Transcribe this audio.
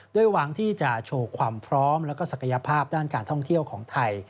โดยหวังที่จะโชว์ความพร้อมและศักยภาพด้านการท่องเที่ยวของไทย